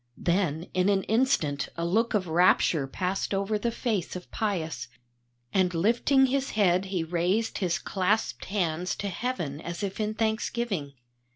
Then in an instant a look of rapture passed over the face of Pius, and lifting his head he raised his clasped hands to Heaven as if in thanksgiving.